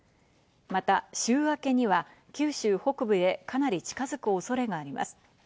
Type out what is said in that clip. また週明けには九州北部へかなり近づく恐れがあります。